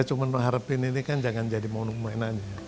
saya cuma mengharapkan ini kan jangan jadi monok monok lain aja